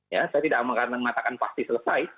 ya saya tidak mengatakan pasti selesai